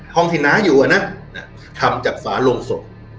ห้องที่น้าอยู่อ่ะน่ะน่ะทำจากฝาโลงศพ